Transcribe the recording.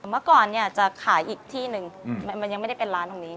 เมื่อก่อนเนี่ยจะขายอีกที่หนึ่งมันยังไม่ได้เป็นร้านตรงนี้